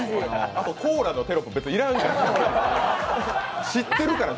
あと、コーラのテロップ、要らんから。